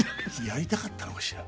やりたかったのかしら？